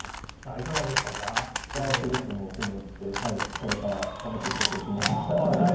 いやすごくもうふに落ちてこれから頑張っていこうという気になりました。